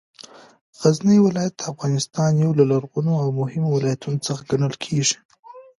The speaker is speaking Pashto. غزنې ولایت د افغانستان یو له لرغونو او مهمو ولایتونو څخه ګڼل کېږې